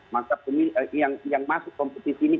masa yang masuk kompetisi ini